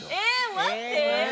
待って。